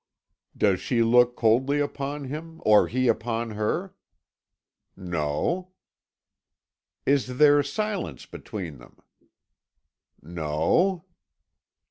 "Does she look coldly upon him, or he upon her?" "No." "Is there silence between them?" "No."